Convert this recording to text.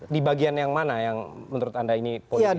di bagian yang mana yang menurut anda ini politisi